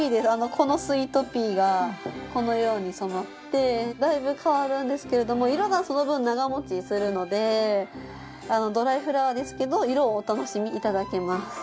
このスイートピーがこのように染まってだいぶ変わるんですけれども色がその分長持ちするのでドライフラワーですけど色をお楽しみ頂けます。